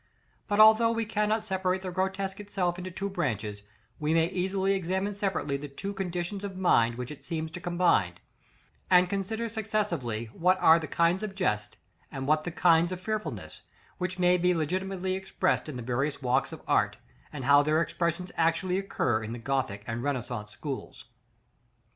But although we cannot separate the grotesque itself into two branches, we may easily examine separately the two conditions of mind which it seems to combine; and consider successively what are the kinds of jest, and what the kinds of fearfulness, which may be legitimately expressed in the various walks of art, and how their expressions actually occur in the Gothic and Renaissance schools.